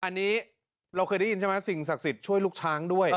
อันนี้เราเคยได้ยินใช่ไหมสิ่งศักดิ์สิทธิ์ช่วยลูกช้างด้วย